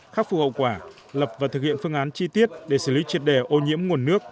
khắc phục hậu quả lập và thực hiện phương án chi tiết để xử lý triệt đề ô nhiễm nguồn nước